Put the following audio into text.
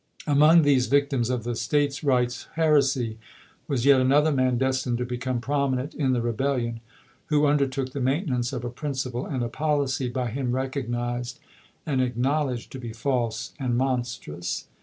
Among these victims of the States Eights heresy was yet another man destined to become prominent in the rebellion, who undertook the maintenance of a principle and a policy, by him recognized and acknowledged to be false and mon strous.